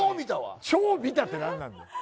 超見たって何なんだよ。